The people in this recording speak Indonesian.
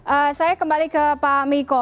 ee saya kembali ke pak miko